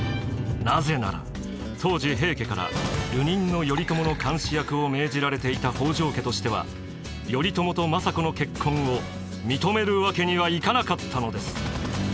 なぜなら当時平家から流人の頼朝の監視役を命じられていた北条家としては頼朝と政子の結婚を認めるわけにはいかなかったのです。